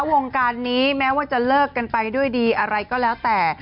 วงการนี้แม้ว่าจะเลิกกันไปด้วยดีอะไรก็แล้วแต่